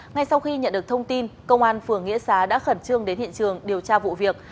ngay sau khi nhận được thông tin công an phường nghĩa xá đã khẩn trương đến hiện trường điều tra vụ việc